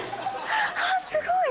あっすごい！